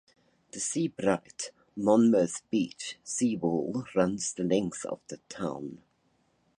The Sea Bright-Monmouth Beach Seawall runs the length of the town.